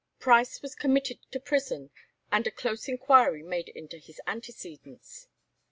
Price was committed to prison, and a close inquiry made into his antecedents.